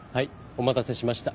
お待たせしました。